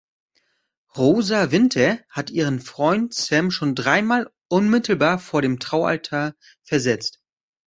Rosa Winter hat ihren Freund Sam schon dreimal unmittelbar vor dem Traualtar versetzt.